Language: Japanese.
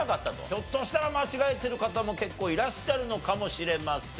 ひょっとしたら間違えてる方も結構いらっしゃるのかもしれません。